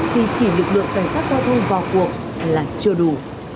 khi chỉ lực lượng cảnh sát giao thông vào cuộc là chưa đủ